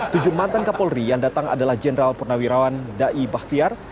tujuh mantan kapolri yang datang adalah jenderal purnawirawan dai bahtiar